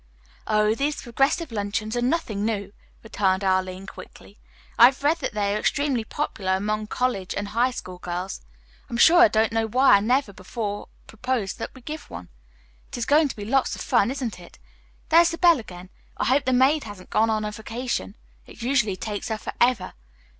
"Oh, these progressive luncheons are nothing new," returned Arline quickly. "I have read that they are extremely popular among college and high school girls. I am sure I don't know why I never before proposed that we give one. It is going to be lots of fun, isn't it? There's the bell again. I hope that maid hasn't gone on a vacation. It usually takes her forever."